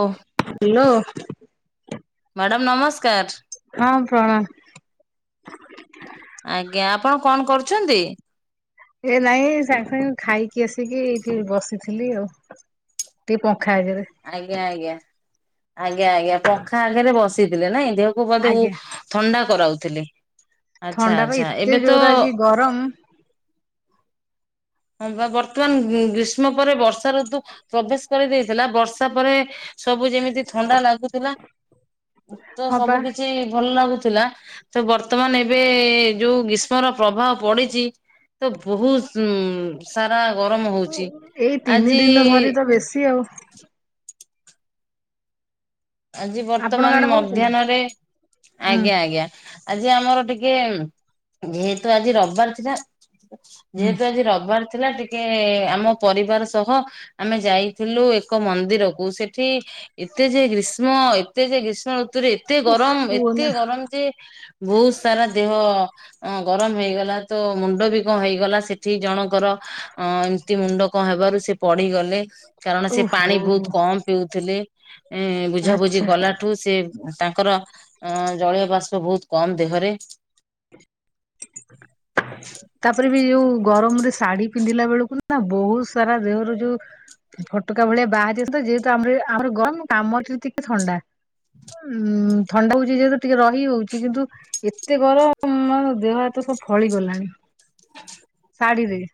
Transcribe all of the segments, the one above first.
ଓ। Hello. Madam ନମସ୍କାର। ହଁ ପ୍ରଣାମ। ଆଜ୍ଞା, ଆପଣ କଣ କରୁଛନ୍ତି? ଏ ନାଇଁ ସାଙ୍ଗେ ସାଙ୍ଗେ ଖାଇକି ଆସିକି ଏ ଟିକେ ବସିଥିଲି ଆଉ। ଟିକେ ପଙ୍ଖା ଆଗରେ ଆଜ୍ଞା ଆଜ୍ଞା ଆଜ୍ଞା ଆଜ୍ଞା ପଙ୍ଖା ଆଗରେ ବସିଥିଲେ ନାଇଁ। ଦେହକୁ ବୋଧେ ଆଜ୍ଞା ଥଣ୍ଡା କରାଉଥିଲେ। ଆଚ୍ଛା ଥଣ୍ଡା ବା ଆଚ୍ଛା ଏତେ ଏବେ ତ ଜୋର ଆଜି ଗରମ ହଁ ବା ବର୍ତ୍ତମାନ ଗ୍ରୀଷ୍ମ ପରେ ବର୍ଷା ଋତୁ ପ୍ରବେଶ କରିଦେଇଥିଲା। ବର୍ଷା ପରେ ସବୁ ଯେମିତି ଥଣ୍ଡା ଲାଗୁଥିଲା। ତ ହଁ ପା ସବୁ କିଛି ଭଲ ଲାଗୁଥିଲା। ତ ବର୍ତ୍ତମାନ ଏବେ ଯୋଉ ଗ୍ରୀଷ୍ମର ପ୍ରଭାବ ପଡିଚି ତ ବହୁତ ଉ ସାରା ଗରମ ହୋଉଚି ଏଇ ତିନି ଆଜି ଦିନ ଧରି ତ ବେଶୀ ଆଉ ଆଜି ଆପଣଙ୍କ ବର୍ତ୍ତମାନ ଆଡେ ହଉଛି ନା ମଧ୍ୟାହ୍ନରେ ହୁଁ ଆଜ୍ଞା ଆଜ୍ଞା ଆଜି ଆମର ଟିକେ ଯେହେତୁ ଆଜି ରବିବାର ଥିଲା ହୁଁ ଯେହେତୁ ଆଜି ରବିବାର ଥି ଥିଲା ଟିକେ ଆମ ପରିବାର ସହ ଆମେ ଯାଇଥିଲୁ ଏକ ମନ୍ଦିରକୁ ସେଠି ଏତେ ଯେ ଗ୍ରୀଷ୍ମ ଏତେ ଯେ ଗ୍ରୀଷ୍ମ ଋ ତୁରେ ଏତେ ଉଫ୍ ଗରମ ଏତେ କୁହନା ଗରମ ଯେ ବୋହୁତ ସାରା ଦେହ ଅଁ ଗରମ ହେଇଗଲା ତ ମୁଣ୍ଡ ବି କଁ ହେଇଗଲା ସେଠି ଜଣଙ୍କର ଅଁ ଏମତି ମୁଣ୍ଡ କଣ ହେବାରୁ ସେ ପଡିଗ ଲେ କାରଣ ସିଏ ପାଣି ଓହୋ ବୋହୁତ କମ୍ ପିଉଥିଲେ ଏଁ ବୁଝାବୁଝି ଆଚ୍ଛା କଲାଠୁ ସେ ତାଙ୍କର ଅ-ଜଳୀୟ ବାଷ୍ପ ବୋହୁତ କମ୍ ଦେହରେ। ତାପରେ ବି ଯୋଉ ଗରମରେ ଶାଢ଼ୀ ପିନ୍ଧି ପିଲାବେଳକୁ ନା ବୋହୁତ ସାରା ଦେହରୁ ଯୋଉ ଫୋଟକା ଭଳିଆ ବାହାରି ଯିବ ସୁଦା ଯେହେତୁ ଆମର ଏ ଆମର ଗରମ ଆମଠୁ ଟିକେ ଥଣ୍ଡା। ଉଁ ଥଣ୍ଡା ହୋଉଚି ଯେହେତୁ ଟିକେ ରହିହୋଉଚି କିନ୍ତୁ ଏତେ ଗରମ ଆମ ଦେହ ହାତ ସ ଫଳିଗଲାଣି। [inaudible] ଶଢ଼ୀ ଦେବି।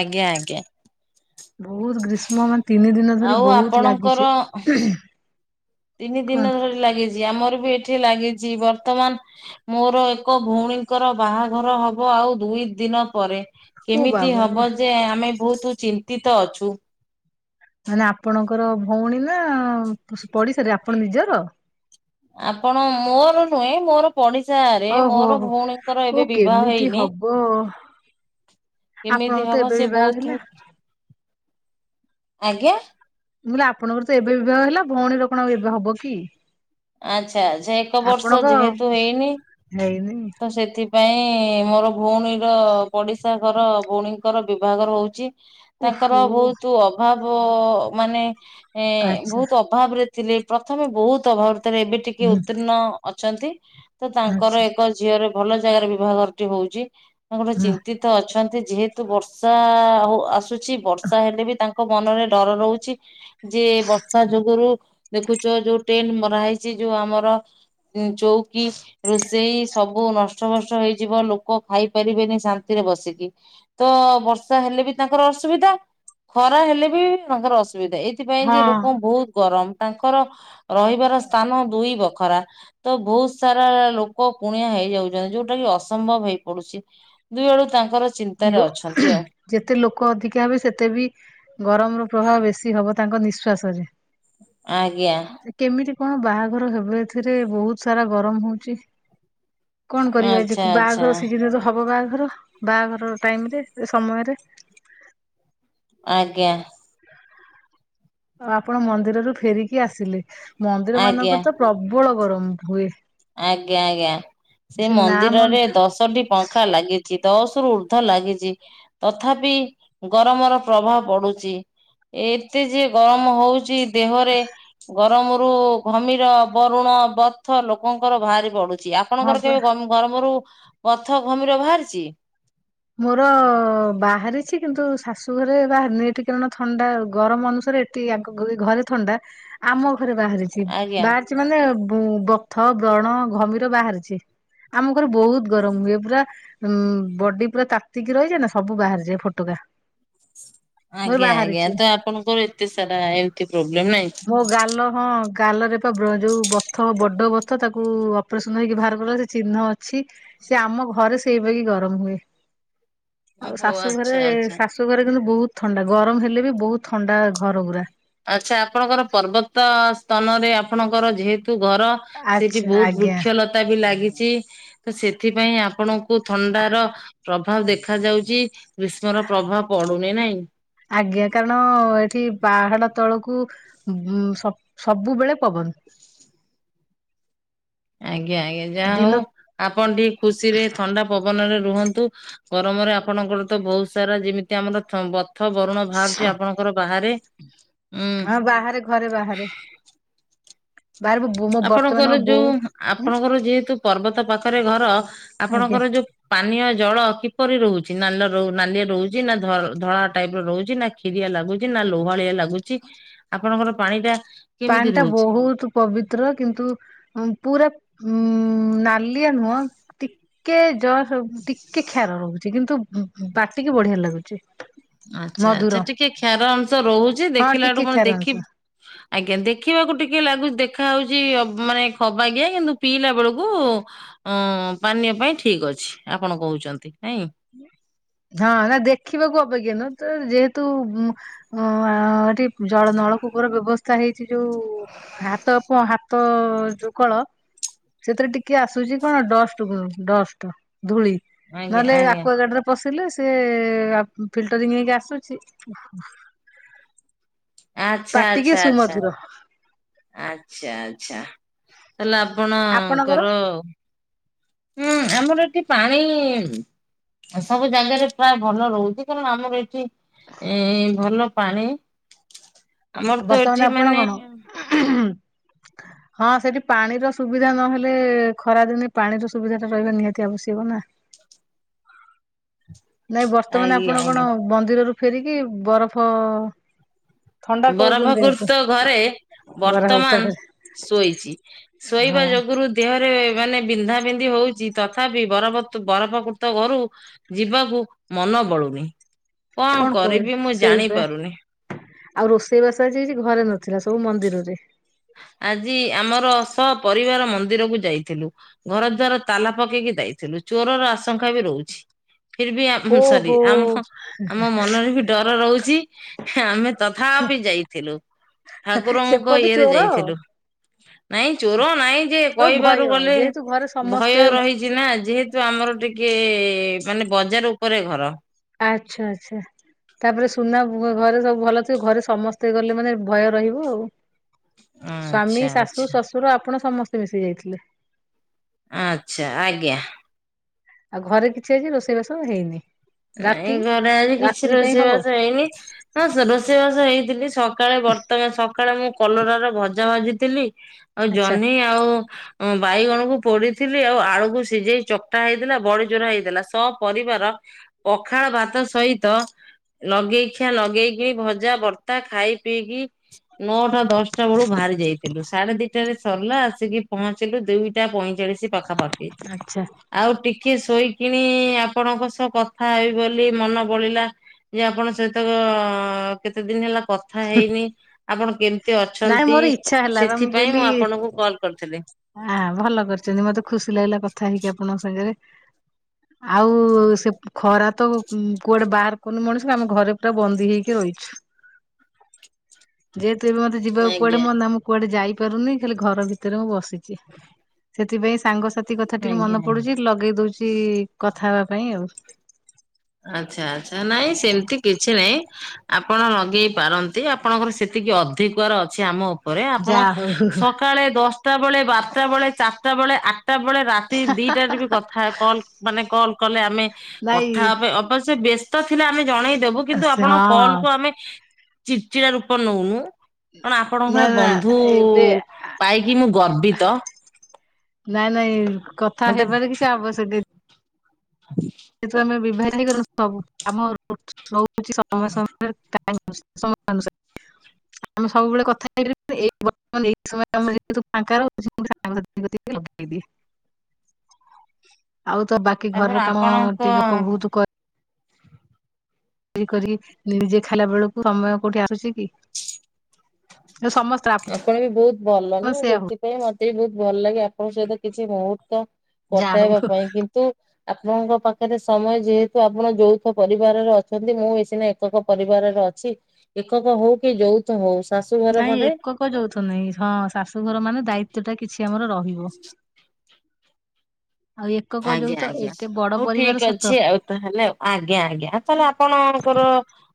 ଆଜ୍ଞା ଆଜ୍ଞା। ବୋହୁତ ଗ୍ରୀଷ୍ମ ମାନେ ତିନି ଦିନ ଧରି ଆଉ ବୋହୁତ ଆପଣଙ୍କର ଲାଗିଛି। ତିନି ଦିନ କୁହନ୍ତୁ ଧରି ଲାଗିଚି ଆମର ଏଠି ଲାଗିଚି ବର୍ତ୍ତମାନ ମୋର ଏକ ଭୋଉଣୀଙ୍କର ବାହାଘର ହବ ଆଉ ଦୁଇ ଦିନ ପରେ ଓ କେମିତି ବାବାରେ ହବ ଯେ ଆମେ ବୋହୁତୁ ଚିନ୍ତିତ ଅଛୁ। ମାନେ ଆପଣଙ୍କର ଭୋଉଣୀ ନା ପସ୍-ପଡି଼ସାରେ ଆପଣ ନିଜର? ଆପଣ ମୋର ନୁହେଁ ମୋର ପଡି଼ଶା ଆରେ ଓହୋ ମୋର ହୋ ଭୋଉଣୀଙ୍କର ଓ ଏବେ ବିବାହ କେମିତି ହେଇନି। ହବ କେମିତି ଆପଣଙ୍କର ତ ହବ ଏବେ ସେ ବିବାହ ହେଲା। ବୋହୁତୁ, ଆଜ୍ଞା? ମୁଁ କଇଲି ଆପଣଙ୍କର ତ ଏବେ ବିବାହ ହେଲା ଭୋଉଣୀର କଣ ଏବେ ହବ କି? ଆଚ୍ଛା ଆଚ୍ଛା ଏକ ବର୍ଷ ଆପଣଙ୍କ ଯେହେତୁ ହେଇନି ହେଇନି ତ ସେଥି ପାଇଁ ମୋର ଭୋଉଣୀର ପଡି଼ଶା ଘର ଭୋଉଣୀଙ୍କର ବିବାଘର ହୋଉଚି। ତାଙ୍କର ଓହୋ ବୋହୁତୁ ଅଭାବ ମାନେ ଆଚ୍ଛା ଏ-ବୋହୁତ ଅଭାବରେ ଥିଲେ ପ୍ରଥମେ ବୋହୁତ ଅଭାବ ଭିତରେ ଏବେ ଟିକେ ହୁଁ ଉତ୍ତୀର୍ଣ୍ଣ ଅଛନ୍ତି। ତ ତାଙ୍କର ଆଚ୍ଛା ଏକ ଝିଅର ଭଲ ଜାଗାରେ ବିବାଘରଟି ହୋଉଚି ତାଙ୍କର ହୁଁ ଚିନ୍ତିତ ଅଛନ୍ତି ଯେହେତୁ ବର୍ଷା ହୋଉ-ଆସୁଛି ବର୍ଷା ହେଲେ ବି ତା ଙ୍କ ମନରେ ଡର ରହୁଚି ଯେ ବର୍ଷା ଯୋଗରୁ ଦେଖୁଚ ଯୋଉ ଟେଣ୍ଡ୍ ମରା ହେଇ ଚି ଯୋଉ ଆମର ଉଁ ଚୋଉକି ରୋଷେଇ ସବୁ ନଷ୍ଟଭ୍ରଷ୍ଟ ହେଇଯିବ ଲୋକ ଖାଇପାରିବେନି ଶାନ୍ତିରେ ବସିକି ତ ବର୍ଷା ହେଲେ ବି ତାଙ୍କର ଅସୁବିଧା। ଖରା ହେଲେ ବି ତାଙ୍କର ଅସ୍ ସୁବିଧା ଏଇଥିପାଇଁ ଯେ ହଁ। ଲୋକ ବୋହୁତ ଗରମ ତାଙ୍କର ରହିବାର ସ୍ଥାନ ଦୁଇ ବଖରା ତ ବୋହୁତ ସାରା ଲୋକ କୁଣିଆ ହେଇଯାଉଚନ୍ତି ଯୋଉଟା କି ଅସମ୍ଭବ ହେ ହେଇ ପଡୁ଼ଚି ଦୁଇ ଆଡୁ ତାନ୍ ଲୋ ଯେତେ ଲୋକ ଅଧିକା ହେବେ ସେତେ ବି ଗରମର ପ୍ରଭାବ ବେଶୀ ହବ ତାଙ୍କ ନିଶ୍ୱାସରେ। ଆଜ୍ଞା। କଣ ବାହାଘର ହେବେ ଏଥିରେ ବୋହୁତ ସାରା ଗରମ ହୋଉଚି। କଣ କରିବା ଆଚ୍ଛା ଆଜିକୁ ଆଚ୍ଛା। ବାହାଘର ସିଜିନରେ ତ ହବ ବାହାଘର ବାହାଘର। ଟାଇମରେ ଏ ସମୟରେ। ଆଜ୍ଞା। ଆପଣ ମନ୍ଦିରରୁୁ ଫେରିକି ଆସିଲେ ମନ୍ଦିର ଆଜ୍ଞା। ମାନଙ୍କରେ ତ ପ୍ରବଳ ଗରମ ହୁଏ। ଆଜ୍ଞା ଆଜ୍ଞା ସେ ନା ମନ୍ଦିରରେ ମନ୍ଦି ଦଶଟି ପଙ୍ଖା ଲାଗି ଦଶରୁ ଉର୍ଦ୍ଧ୍ୱ ଲାଗିଚି ତଥାପି ଗରମର ପ୍ରଭାବ ପଡ଼ୁଚି। ଏତେ ଯେ ଗରମ ହଉଚି ଦେହରେ ଗରମରୁ ଘମିର, ବରୁଣ, ବଥ ଲୋକଙ୍କର ଭାରି ପଡ଼ୁ ଚି ହଁ ଆପଣଙ୍କର ବା କେବେ ଗମ୍ ଗରମରୁ ବଥ, ଘମିର ଭାରିଚି? ମୋର ବାହାରିଛି କିନ୍ତୁ ଶାଶୁ ଘରେ ବାହାରନି ଏଠି କାରଣ ଥଣ୍ଡା ଗରମ ଅନୁସା ରେ ଏତି ଆଙ୍କ ଘରେ ଘରେ ଥଣ୍ଡା ଆମ ଘରେ ବାହାରିଚି ଆଜ୍ଞା ବାହାରିଚି ମାନେ ଉଁ ବଥ, ବ୍ରଣ, ଘମିର ବାହାରିଚି। ଆମ ଘରେ ବୋହୁତ ଗରମ ହୁଏ ପୁରା ଉଁ ବଡି଼ ପୁରା ତାତିକି ରହିଯାଏ ନାଁ ସବୁ ବାହାରିଯାଏ ଫଟୋକା। ଆଜ୍ଞା ଆଜ୍ଞା ତ ଆପଣଙ୍କର ଏତେ ସାରା ଏମତି ପ୍ରୋବ୍ଲେମ୍ ନାଇଁ? ମୋ ଗାଲ ହଁ ଗାଲରେ ପା ବ୍ର ଯୋଉ ବଥ ବଡ଼ ବଥ ତାକୁ ଅପ୍ରେସନ ହେଇକି ଭାର କଲା ସେ ଚିହ୍ନ ଅଛି। ସେ ଆମ ଘରେ ସେଇ ବାଗି ଗରମ ହୁଏ। ଆଉ ଓହୋ ଶାଶୁ ଆଚ୍ଛା ଘରେ ଆଚ୍ଛା ଶାଶୁ ଘରେ କିନ୍ତୁ ବୋହୁ ଥଣ୍ଡା ଗରମ ହେଲେ ବି ବୋହୁତ ଥଣ୍ଡା ଘର ଗୁରା। ଆଚ୍ଛା ଆପଣଙ୍କର ପର୍ବତ ସ୍ତନରେ ଆପଣଙ୍କର ଯେହେ ତୁ ଘର ସେଇଠି ଆଚ୍ଛା ବୋହୁତ ଆଜ୍ଞା ବୃକ୍ଷଲତା ବି ଲାଗିଚି ତ ସେଥିପାଇଁ ଆପଣ ଉ ଥଣ୍ଡାର ପ୍ରଭାବ ଦେଖା ଯାଉଚି ଗ୍ରୀଷ୍ମର ପ୍ରଭାବ ପଡୁନେଇ। ନାଇଁ? ଆଜ୍ଞା କାରଣ ଏଠି ପାହାଡ଼ ତଳକୁ ଉଁ ସ ସବୁବେଳେ ପବନ। ଆଜ୍ଞା ଆଜ୍ଞା ଯାହା ଦିନ ହଉ ଆପଣ ଟିକେ ଖୁସିରେ ଥଣ୍ଡା ପ ବନରେ ରୁହନ୍ତୁ ଗରମରେ ଆପଣଙ୍କର ତ ବହୁତ ସାରା ଯେମିତି ଆମର ଥ ବ ଥ ବରୁଣ ଭାରୁଚି ଆପଣଙ୍କର ବାହାରେ। ଉଁ ହଁ ବାହାରେ ଘରେ ବାହାରେ। ବାହାରେ ମୋ ମୋ ବର୍ତ୍ତମାନ ଆପଣଙ୍କର ମୋ ଯୋଉ ବୋଉ ଉଁ ଆପଣଙ୍କର ଯେହେତୁ ପର୍ବତ ପାଖରେ ଘର ଆଜ୍ଞା ଆପଣଙ୍କର ଯୋଉ ପାନୀୟ ଜଳ କିପରି ରହୁଚି ନାଲ ର ନାଲିଆ ରହୁଚି ନାଁ ଧ ଧଳା ଟାଇପ୍ ର ରହୁଚି ନାଁ କ୍ଷିରିଆ ଲାଗୁଚି ନାଁ ଆ ଲୋହାଳିଆ ଲାଗୁଚି ଆପଣଙ୍କର ପାଣିଟା ପାଣ୍ ଟା ବହୁତ ପବିତ୍ର। କିନ୍ତୁ ଅଁ ପୁରା ଉଁ ନାଲିଆ ନୁହଁ ଟିକେ ଜ ହେଉ ଟିକେ କ୍ଷାର ରହୁଚି କିନ୍ତୁ ପାଟିକି ବଢ଼ିଆ ଲାଗୁଚି। ଆଚ୍ଛା ଆଚ୍ଛା ଟିକେ କ୍ଷାର ଅଂଶ ରହୁଚି ହଁ ଦେଖିଲାଠୁ ଟିକେ ପୁଣି କ୍ଷାର ଦେଖି ଅଂଶ ଆଜ୍ଞା ଦେଖିବାକୁ ଟିକେ ଲାଗୁ ଦେଖା ହଉଚି ଅ ମାନେ ଖବାକିଆ କିନ୍ତୁ ପିଇଲା ବେଳୁକୁ ଅଁ ପାନୀୟ ପାଇଁ ଠିକ୍ ଅଛି ଆପଣ କୋହୁଚନ୍ତି। ହଁ ନାଁ ଦେଖିବାକୁ ଅ ବ ଜ୍ଞାନ ତ ଯେହେତୁ ଉଁ ଅଁ ଏଠି ଜଳ ନଳକୂପର ବେବସ୍ ତା ହେଇଛି ଯୋଉ ହାତ ପ ହାତ ଯୋଉ କଳ। ସେଥିରେ ଟିକେ ଆସୁଚି କଣ ଡଷ୍ଟ ଡଷ୍ଟ ଧୂଳି ଆଜ୍ଞା ନହେଲେ ଆ ଆଜ୍ଞା ଡ଼ରେ ପଶିଲେ ସିଏ ଆ ଫଲଟରିଂ ହେଇକି ଆସୁଚି। ଆଚ୍ଛା ଆଚ୍ଛା ଆଚ୍ଛା। ସୁମଧୁର ଆଚ୍ଛା ଆଚ୍ଛା ତାହେଲେ ଆପଣଙ୍କର ଉଁ ଆମର ଏଠି ପାଣି ସବୁ ଜାଗାରେ ପ୍ରାୟ ଭଲ ରହୁଚି କାରଣ ଆମର ଏଠି ଏଁଇ ଭଲ ପାଣି ଆମର ତ ବର୍ତ୍ତମାନ ଏଠି ଆପଣ ମାନେ କଣ ହୁଁ ହଁ ସେଠି ପାଣିର ସୁବିଧା ନହେଲେ ଖରାଦିନେ ପାଣିର ସୁବିଧାଟା ରହିବା ନିହାତି ଆବଶ୍ୟକ ନାଁ। ନାଇଁ ବର୍ତ୍ତମାନ ଆଜ୍ଞା ଆପଣ କଣ ଆଜ୍ଞା ମନ୍ଦିରରୁ ଫେରିକି ବରଫ ଥଣ୍ଡା କରଉଛନ୍ତି ଦେହକୁ ବରଫକୁର୍ତ ଘରେ ବରା ଭର୍ତ୍ତା ବର୍ତ୍ତମାନ୍ ଖାଇ ଶୋଇଚି ଶୋଇବା ହଁ ଯୋଗୁରୁ ଦେହରେ ମାନେ ବିନ୍ଧା ବିନ୍ଧି ହୋଉଚି ତଥାପି ବରଫ ତୁ ବରଫକୁର୍ତ ଘରୁ ଯିବାକୁ ମନ ବଳୁନି କଣ କହ କରିବି ମୁଁ ଜାଣି ସେଇପା ପାରୁନି। ଆଉ ରୋଷେଇବାସ ଆଜି କିଛି ଘରେ ନଥିଲା ସବୁ ମନ୍ଦିରରେ। ଆଜି ଆମର ସପରିବାର ମନ୍ଦିର କୁ ଯାଇଥିଲୁ ଘର ଦ୍ବାର ତାଲା ପକେଇକି ଯାଇଥିଲୁ। ଥିଲୁ ଚୋରର ଆଶଙ୍କା ବି ରହୁଚି। ଫିର ବି ସରି ଓହୋ ଆମ ଆମ ମନରେ ବି ଡର ରହୁଚି ଆମେ ତଥା ବି ଯାଇଥିଲୁ ଠାକୁରଙ୍କ ସେପଟେ ଇଏରେ ଚୋର ଯାଇଥିଲୁ। ନାଇଁ ଚୋର ନାଇଁ ଯେ ଓ ଭୟ କହିବାରୁ ଗଲେ ଯେହେତୁ ଘରେ ଭୟ ସମସ୍ତେ ରହିଚି ନା ଯେହେତୁ ଆମର ଟିକେ ମାନେ ବଜାର ଉପରେ ଘର। ମୁ ଘରେ ସବୁ ଭଲ ଥିବ, ଘରେ ସମସ୍ତେ ଗଲେ ମାନେ ଭୟ ରହିବ ଆଉ। ସ୍ଵାମୀ ଆଚ୍ଛା ଶାଶୁ ଆଚ୍ଛା ଶଶୁର ଆପଣ ସମସ୍ତେ ମିଶିକି ଯାଇଥିଲେ। ଆଛା ଆଜ୍ଞା। ଆଉ ଘରେ କିଛି ଆଜି ରୋଷେଇବାସ ହେଇନି। ଏଇ ରାତି ଘରେ ଆଜି କିଛି ରାତ୍ରି ପାଇଁ ହବ ରୋଷେଇବାସ ହେଇନି ରୋଷେଇବାସ ହେଇଥିଲି ସ ସକାଳେ ବର୍ତମାନ ସକାଳେ ମୁଁ କଲରାର ଭଜା ଭାଜିଥିଲି ଆଉ ଆଚ୍ଛା ଜହ୍ନି ଆଉ ଅ ବାଇଗଣକୁ ପୋଡିଥିଲି ଆଉ ଆଳୁକୁ ସିଝେଇ ଚକଟା ହେଇଥିଲା ବଡି ଚୁରା ହେଇଥିଲା ସ ପରିବାର ପଖାଳ ଭାତ ସହିତ ଲଗେଇଖିଆ ଲଗେଇକି ଭଜା ବର୍ତ୍ତା ଖାଇ ପିଇକି ନଅଟା ଦଶଟା ବେଳୁ ବାହାରି ଯାଇଥିଲୁ ସାଢେ ଦିଟାରେ ସରିଲା ଆସିକି ପହଞ୍ଚିଲୁ ଦିଟା ପ ତିରିଶି ପାଖାପାଖି ଆଚ୍ଛା ଆଉ ଟିକେ ଶୋଇକିଣି ଆପଣଙ୍କ ସହ କ କଥା ହେବ ବୋଲି ମନ ବଳିଲା ଯେ ଆପଣ ସହିତ ଆ କେତେ ଦିନ ହେଲା କଥା ହେଇନି, ଆପଣ କେମିତି ନାଇଁ ଅଛନ୍ତି ମୋର ଇଚ୍ଛା ହେଲା ସେଥିପାଇଁ ମୁଁ ଆପଣଙ୍କୁ କଲ କରିଥିଲି। ହ ଭଲ କରିଚନ୍ତି ମତେ ଖୁସି ଲାଗିଲା କଥା ହେଇକି ଆପଣଙ୍କ ସାଙ୍ଗରେ। [inaudible] ଆଉ ସେ ଖରା ତ କୁ କୁଆଡେ ବାହାର କରନି ମଣିଷ ଆମେ ଘରେ ପୁରା ବନ୍ଦୀ ହେଇକି ରହିଚୁ। [inaudible] ଯେହେତୁ ବି ମତେ ଯିବାକୁ କୁଆଡେ ଆଜ୍ଞା। ମନା ମୁଁ କୁଆଡେ ଯାଇ ପରୁନି ଖାଲି ଘର ଭିତରେ ମୁଁ ବସିଚି ସେଥିପାଇଁ ସାଙ୍ଗସାଥ ରାତି କଥା ଟିକେ ଆଜ୍ଞା ମନେ ଆଜ୍ଞା। ପଡୁଚି, ଲଗେଇ ଦଉଚି କଥା ହବା ପାଇଁ ଆଉ। ଆଚ୍ଛା ଆଛା ନାଇଁ ସେମିତି କିଛି ନାଇଁ ଆପଣ ଲଗେଇ ପାରନ୍ତି ଆପଣଙ୍କର ସେ ଏତିକି ଅଧିକର ଅଛି ଆମ ଉପରେ ଯା ଆପଣ ହଉ ସକାଳେ ଦଶଟା ବେଳେ ବାରଟା ବେଳେ ଚାରିଟା ବେଳେ ଆଠ ସେତବେଳେ ରାତି ଦିଟାରେ ବି କଥା କଲ୍ ମାନେ କଲ୍ କଲେ ଆମେ ନାଇଁ। ଥା ହବା ଅବଶ୍ୟ ବ୍ୟସ୍ତ ଥିଲେ ଆମେ ଜଣେଇଦବୁ କିନ୍ତୁ ଆପଣଙ୍କ କଲ ହଁ କୁ ଆମେ ଚିଡ଼ଚିଡ଼ା ରୂପ ନଉନୁ। କଣ ଆପଣଙ୍କ ନା ଏ ନା ବନ୍ଧୁ ଏବେ ପାଇକି ମୁଁ ଗର୍ବିତ। ନାଇଁ ନାଇଁ କଥା ମତେ ହେବାର କିଛି ଆବଶ୍ୟକ। [inaudible] ସେତୁ ଆମେ ବିଭଜ [unintelligible] ସବୁ ଆମ [unintelligible] ସମୟ ସମୟରେ ଟା [unintelligible] [inaudible] ଆମେ ସବୁବେଳେ କଥା ହେଇାର [unintelligible] ଏଇ [unintelligible] ଲଗେଇ ଦିଏ [inaudible] ଆଉ ତ ବାକି ତାପରେ ଘରର କାମ ଟିକେ ଆପଣଙ୍କ ବହୁତ କର କରି କରି ନିଜେ ଖାଇଲା ବେଳକୁ ସମୟ କଉଠି ଆଉଚି କି? ସମସ୍ତେ ଆପଣ ବି ବହୁତ ଭଲ ଆପଣ ନା ସେୟା ହଉ ସେଥିପାଇଁ ମତେ ବି ବହୁତ ଭଲ ଲାଗେ ଆପଣଙ୍କ ସହିତ କିଛି ମୁହୂର୍ତ୍ତ ଯାହା କଟାଇବା ହଉ ପାଇଁ କିନ୍ତୁ ଆପଣଙ୍କ ପାଖରେ ସମୟ ଯେହେତୁ ଆପଣ ଯୋଉଥ ପରିବାରରେ ଅଛନ୍ତି ମୁଁ ଏ ସିନା ଏକକ ପରିବାରର ଅଛି ଏକକ ହଉ କି ଯଉଥ ହଉ ଶାଶୁଘର ମାନେ କ ଯଉଥ ନାଇ ହଁ ଶାଶୁଘର ମାନେ ଦାୟିତଵ ଟା କିଛି ଆମର ରହିବ। ଆଉ ଏକକ ଆଜ୍ଞା ଯୌଥ ଆଜ୍ଞା ଏତେ ବଡ ହଉ ପରିବାର ଠିକ ସତ ଅଛି, ଆଉ ତାହେଲେ ଆଜ୍ଞା ଆଜ୍ଞା ତାହେଲେ ଆପଣଙ୍କର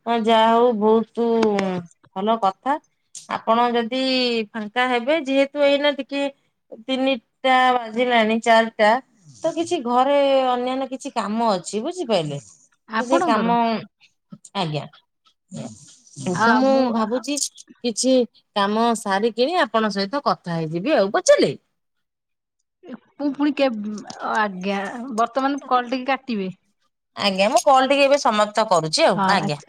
ହଁ ଯାହା ହଉ ବହୁତ ଭଲ କଥା। ଆପଣ ଯଦି ଫାଙ୍କା ହେବେ ଯେହେତୁ ଏଇନା ଟିକେ ତିନିଟା ବାଜିଲାଣି ଚାରିଟା, ତ କିଛି ଘରେ ଅନ୍ୟାନ୍ୟ କିଛି କାମ ଅଛି ବୁଝିପାରିଲେ? ତ ସେ ଆପଣଙ୍କର କାମ, ଆଜ୍ଞା। ତ ମୁଁ ଭାବୁଛି କିଛି କାମ ସାରି କିଣି ଆପଣଙ୍କ ସହିତ କଥା ହେଇଯିବି ଆଉ, ବୁଝିଲି। ଏ ପୁ ପୁଣି କେବ ଆଜ୍ଞା ବର୍ତ୍ତମାନ କଲ ଟିକେ କାଟିବେ। ଆଜ୍ଞା ମୁଁ କଲ ଟିକି ଏବେ ସମାପ୍ତ କରୁଛି ଆଉ ହଁ ଆଜ୍ଞା। ଆଚ୍ଛା,